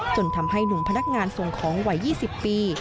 จนทำให้หนุ่มพนักงานส่วงของไหว่ยี่สิบปี